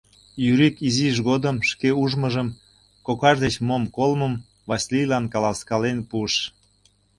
Юрик изиж годым шке ужмыжым, кокаж деч мом колмым Васлийлан каласкален пуыш.